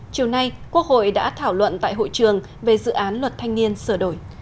chiều nay quốc hội đã thảo luận tại hội trường về dự án luật thanh niên sửa đổi